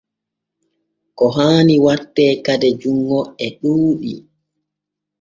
Ko haani watte kaden junŋo e ɗuuɗi.